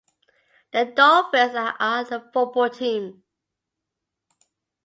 The Dolphins are a football team.